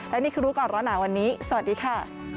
และนี่คือรู้ก่อนร้อนหนาวันนี้สวัสดีค่ะ